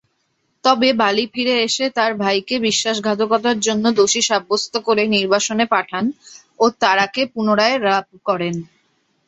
তবে, বালী ফিরে এসে তার ভাইকে বিশ্বাসঘাতকতার জন্য দোষী সাব্যস্ত করে নির্বাসনে পাঠান ও তারাকে পুনরায় লাভ করেন।